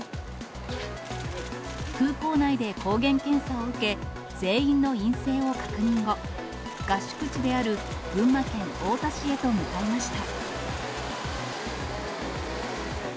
空港内で抗原検査を受け、全員の陰性を確認後、合宿地である群馬県太田市へと向かいました。